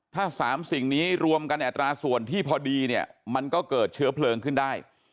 ถ้า๓สิ่งนี้รวมกันในอัตราส่วนที่พอดีเนี่ยมันก็เกิดเชื้อเพลิงขึ้นได้